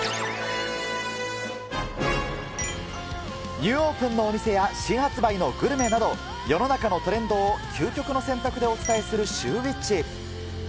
ニューオープンのお店や、新発売のグルメなど、世の中のトレンドを究極の選択でお伝えするシューＷｈｉｃｈ。